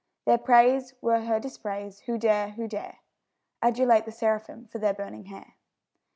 Their praise were her dispraise; who dare, who dare, Adulate the seraphim for their burning hair?